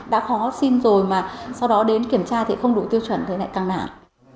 đã khó xin rồi mà sau đó đến kiểm tra thì không đủ tiêu chuẩn thì lại càng nặng